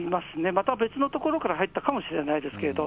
また別の所から入ったかもしれないですけど。